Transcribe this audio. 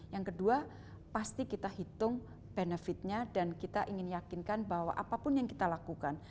yang kedua pasti kita hitung benefitnya dan kita ingin yakinkan bahwa apapun yang kita lakukan